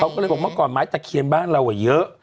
เขาก็เลยบอกเมื่อก่อนไม้ตะเคียนบ้านเราเยอะ